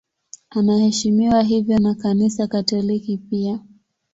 Anaheshimiwa hivyo na Kanisa Katoliki pia.